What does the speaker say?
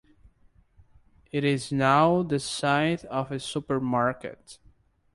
It is now the site of a supermarket.